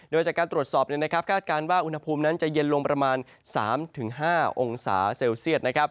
โดยจากการตรวจสอบคาดการณ์ว่าอุณหภูมินั้นจะเย็นลงประมาณ๓๕องศาเซลเซียต